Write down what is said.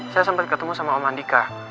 saya sempat ketemu sama om andika